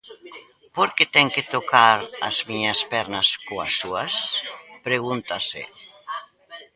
Por que ten que tocar as miñas pernas coas súas?, pregúntase.